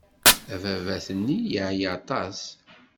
Ababat-nni yeɛya aṭas.